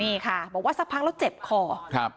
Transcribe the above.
นี่ค่ะบอกว่าสักพักแล้วเจ็บคอครับ